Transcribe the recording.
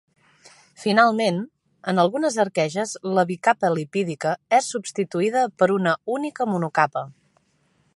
Finalment, en algunes arqueges la bicapa lipídica és substituïda per una única monocapa.